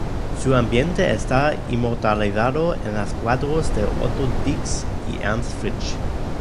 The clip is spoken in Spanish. Su ambiente está inmortalizado en los cuadros de Otto Dix y Ernst Fritsch.